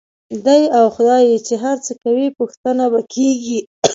دی او خدای یې چې هر څه کوي، پوښتنه به کېږي.